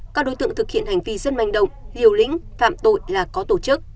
các đối tượng thực hiện hành vi rất manh động liều lĩnh phạm tội là có tổ chức